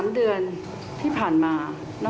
๓เดือนที่ผ่านมา